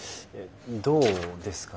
どうですかね？